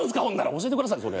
教えてくださいそれ。